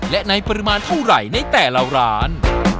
และในปริมาณเท่าไหร่ในแต่ละร้าน